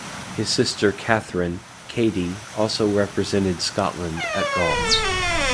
His sister Catherine (Katie) also represented Scotland at golf.